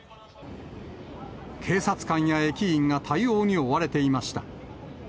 警察官や駅員が対応に追われていました。